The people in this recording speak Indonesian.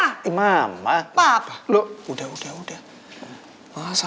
huh papa pa mama rasul